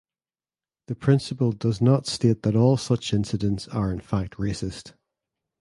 The principle does not state that all such incidents are in fact racist.